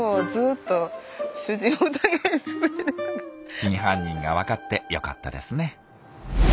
真犯人がわかってよかったですね。